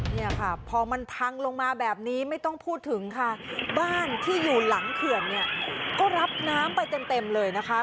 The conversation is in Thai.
เนี่ยค่ะพอมันพังลงมาแบบนี้ไม่ต้องพูดถึงค่ะบ้านที่อยู่หลังเขื่อนเนี่ยก็รับน้ำไปเต็มเลยนะคะ